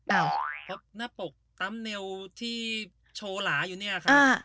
เพราะหน้าปกตั๊มเนลที่โชว์หลาอยู่เนี่ยค่ะ